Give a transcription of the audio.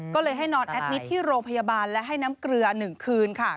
ก็เลยให้นอนแอดมิตรที่โรงพยาบาลและให้น้ำเกลือ๑คืน